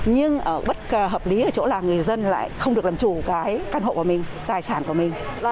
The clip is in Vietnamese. nhưng ở bất hợp lý ở chỗ là người dân lại không được làm chủ cái căn hộ của mình tài sản của mình